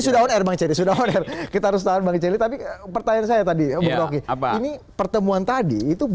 sudah orang orang jadi sudah kita harus tahu tapi pertanyaan saya tadi apa ini pertemuan tadi itu